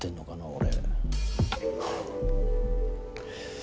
俺。